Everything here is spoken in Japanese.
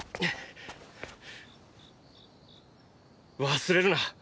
忘れるな。